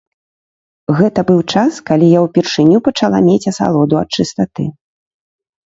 Гэта быў час, калі я ўпершыню пачала мець асалоду ад чыстаты.